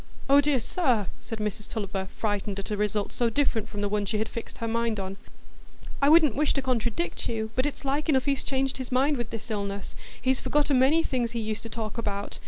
"Oh dear, sir!" said Mrs Tulliver, frightened at a result so different from the one she had fixed her mind on; "I wouldn't wish to contradict you, but it's like enough he's changed his mind with this illness,—he's forgot a many things he used to talk about.